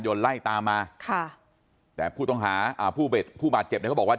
ยนต์ไล่ตามมาค่ะแต่ผู้ต้องหาผู้เบ็ดผู้บาดเจ็บบอกว่า